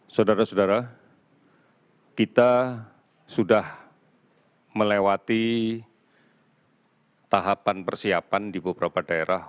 saudara saudara kita sudah melewati tahapan persiapan di beberapa daerah